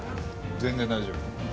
全然大丈夫。